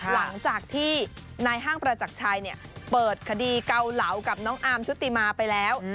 หลังจากที่นายห้างประจักรชัยเปิดคดีเกาเหลากับน้องอาร์มชุติมาไปแล้ว